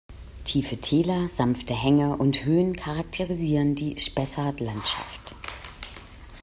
Tiefe Täler, sanfte Hänge und Höhen charakterisieren die Spessart-Landschaft.